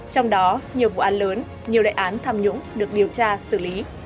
trong đó nhiều vụ án lớn nhiều đại án tham nhũng được điều tra xử lý